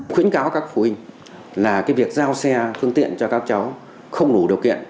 khuyến cáo các phụ huynh là việc giao xe phương tiện cho các cháu không đủ điều kiện